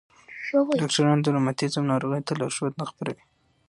ډاکټران د روماتیزم ناروغۍ ته لارښود نه خپروي.